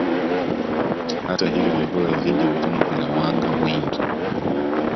Hata hivyo vyakula vingi vitamu vina wanga mwingi